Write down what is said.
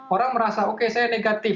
orang merasa oke saya negatif